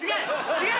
違う。